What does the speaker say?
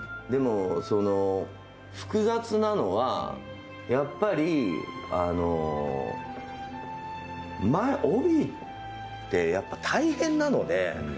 でも、複雑なのはやっぱり帯って、やっぱり大変なので。